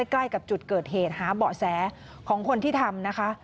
ใกล้กับจุดเกิดเหตุหาเบาะแสของคนที่ทำนะคะ